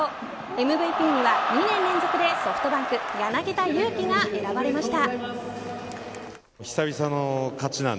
ＭＶＰには２年連続でソフトバンク柳田悠岐が選ばれました。